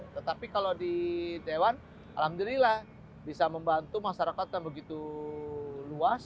tetapi kalau di dewan alhamdulillah bisa membantu masyarakat yang begitu luas